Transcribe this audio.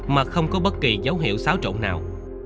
mà không có bất kỳ dấu hiệu xáo trộn nào